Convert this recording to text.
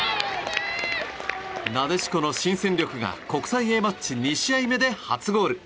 なでしこの新戦力が国際Ａマッチ２試合目で初ゴール。